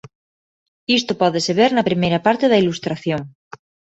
Isto pódese ver na primeira parte da ilustración.